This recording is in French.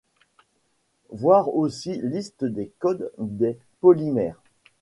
Voir aussi Liste des codes des polymères.